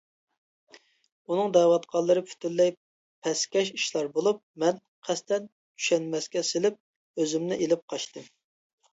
ئۇنىڭ دەۋاتقانلىرى پۈتۈنلەي پەسكەش ئىشلار بولۇپ، مەن قەستەن چۈشەنمەسكە سېلىپ، ئۆزۈمنى ئېلىپ قاچاتتىم.